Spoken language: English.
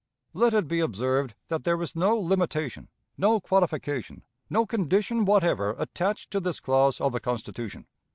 Let it be observed that there is no limitation, no qualification, no condition whatever attached to this clause of the Constitution.